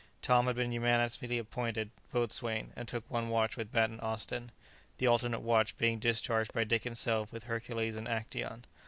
Tom had been unanimously appointed boatswain, and took one watch with Bat and Austin, the alternate watch being discharged by Dick himself with Hercules and Actæon.